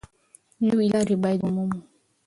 نوې لاره باید ومومو.